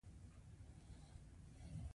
ډېرې دعاګانې مې ورته وکړې.